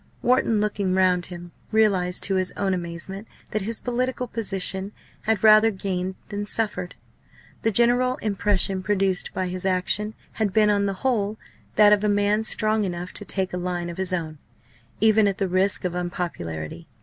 Wharton, looking round him, realised to his own amazement that his political position had rather gained than suffered. The general impression produced by his action had been on the whole that of a man strong enough to take a line of his own, even at the risk of unpopularity.